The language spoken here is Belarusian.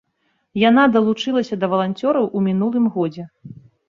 Яна далучылася да валанцёраў у мінулым годзе.